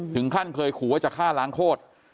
ถึงขั้นเคยขู่ว่าจะฆ่าล้างโคตร